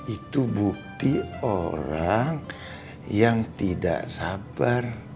itu bukti orang yang tidak sabar